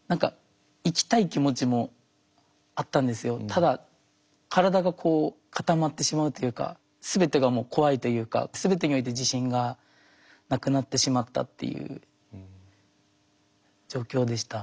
ただ体がこう固まってしまうというか全てが怖いというか全てにおいて自信がなくなってしまったっていう状況でした。